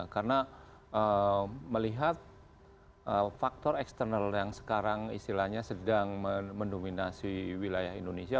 karena melihat faktor eksternal yang sekarang istilahnya sedang mendominasi wilayah indonesia